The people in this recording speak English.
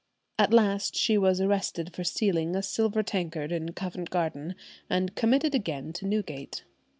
At last she was arrested for stealing a silver tankard in Covent Garden, and committed again to Newgate.